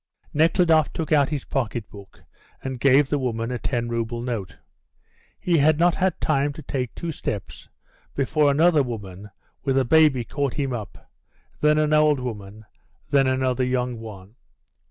Nekhludoff took out his pocket book, and gave the woman a 10 rouble note. He had not had time to take two steps before another woman with a baby caught him up, then an old woman, then another young one.